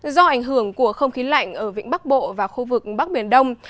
do ảnh hưởng của không khí lạnh ở vĩnh bắc bộ và khu vực bắc biển đông